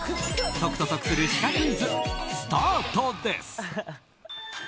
解くと得するシカクイズです。